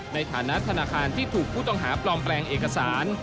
ในฐานะธนาคารที่ถูกผู้ต้องหาปลอมแปลงเอกสาร